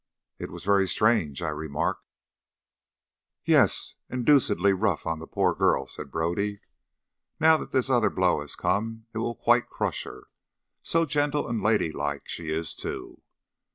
"It was very strange," I remarked. "Yes, and deucedly rough on the poor girl," said Brodie. "Now that this other blow has come it will quite crush her. So gentle and ladylike she is too!"